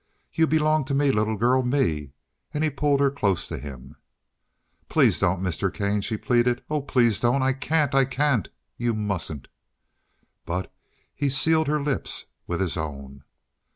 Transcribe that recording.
You belong to me, little girl, me." And he pulled her close to him. "Please don't, Mr. Kane," she pleaded. "Oh, please don't. I can't! I can't! You mustn't." But he sealed her lips with his own.